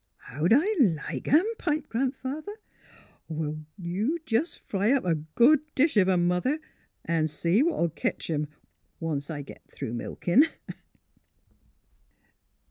'' How'd I like 'em? " piped Grandfather. " Well, you jes' fry up a good dish of 'em, Mother, an' see what '11 ketch 'em — once I git through milkin'."